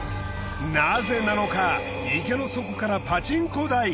なぜなのか池の底からパチンコ台。